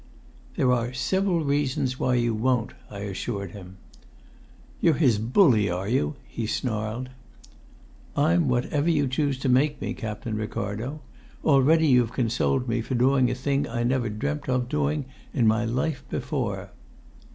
"There are several reasons why you won't," I assured him. "You're his bully, are you?" he snarled. "I'm whatever you choose to make me, Captain Ricardo. Already you've consoled me for doing a thing I never dreamt of doing in my life before."